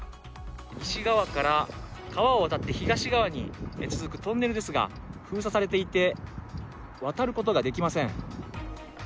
西側から川を渡って東側に続くトンネルですが、封鎖されていて渡ることができません。